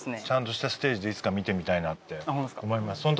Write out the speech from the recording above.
ちゃんとしたステージでいつか見てみたいなって思います。